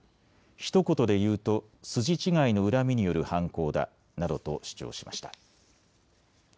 ひと言で言うと筋違いの恨みによる犯行だなどと主張しました。